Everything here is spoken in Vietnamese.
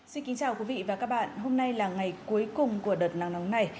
xin kính chào quý vị và các bạn hôm nay là ngày cuối cùng của đợt nắng nóng này